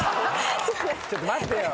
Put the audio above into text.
ちょっと待ってよ。